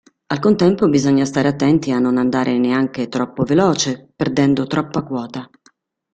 Al contempo bisogna stare attenti a non andare neanche troppo veloce perdendo troppa quota.